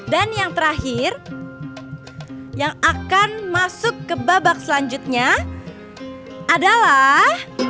dan yang terakhir yang akan masuk ke babak selanjutnya adalah